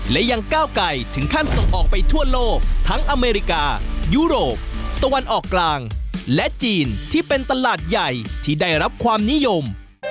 และยังก้าวไก่ถึงขั้นส่งออกไปทั่วโลกทั้งอเมริกายุโรปตะวันออกกลางและจีนที่เป็นตลาดใหญ่ที่ได้รับความนิยม